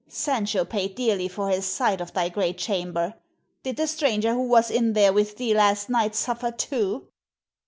Sancho paid dearly for his sight of thy great chamber. Did the stranger who was in there with thee last night suffer, too?"